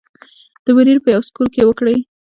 د بونېر پۀ يو سکول کښې وکړې